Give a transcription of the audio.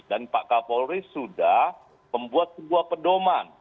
dan pak kapolri sudah membuat sebuah pedoman